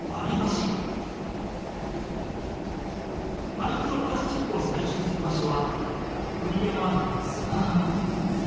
マイクロプラスチックをさいしゅうする場所はどこにでもある砂浜。